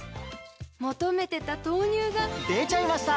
求めてた豆乳がでちゃいました！